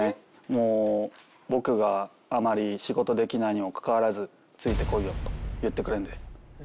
もう僕があまり仕事できないのにもかかわらず「ついてこいよ」と言ってくれるので。